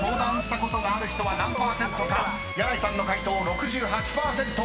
［箭内さんの解答６８％］